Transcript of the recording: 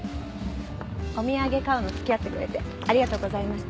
お土産買うの付き合ってくれてありがとうございました。